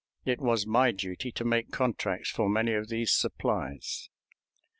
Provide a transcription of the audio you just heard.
It was my duty to make contracts for many of these supplies.